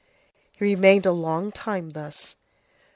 He remained a long time thus.